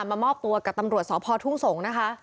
มามอบตัวกับตำรวจสพทุ่งสงศ์นะคะ